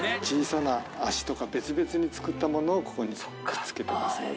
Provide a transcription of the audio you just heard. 小さな足とか別々に作ったものをここに付けてます。